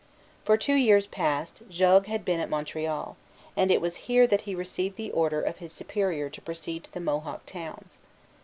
For two years past, Jogues had been at Montreal; and it was here that he received the order of his Superior to proceed to the Mohawk towns.